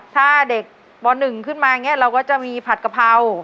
ถ้าเด็กบ๑ขึ้นมาเราก็จะมีผัดกะเพรา